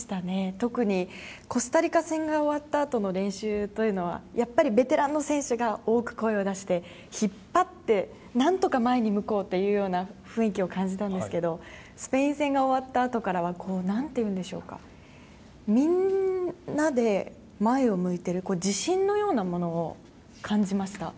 特にコスタリカ戦が終わったあとの練習はやっぱりベテランの選手が多く声を出して引っ張って何とか前に向こうという雰囲気を感じたんですけどスペイン戦が終わったあとからは何ていうんでしょうかみんなで前を向いてる自信のようなものを感じました。